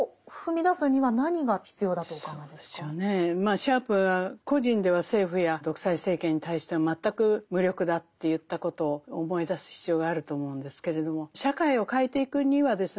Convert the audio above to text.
シャープが「個人では政府や独裁政権に対して全く無力だ」と言ったことを思い出す必要があると思うんですけれども社会を変えていくにはですね